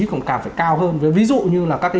cũng cần phải cao hơn ví dụ như là các cái